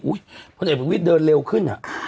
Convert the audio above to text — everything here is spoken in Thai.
พลเอกประวิทย์เดินเร็วขึ้นอ่ะ